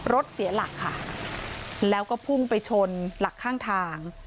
รถเสียหลักค่ะแล้วก็พุ่งไปชนหลักข้างทาง